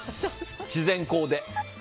自然光で。